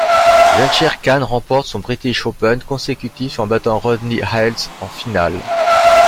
Jansher Khan remporte son British Open consécutif en battant Rodney Eyles en finale.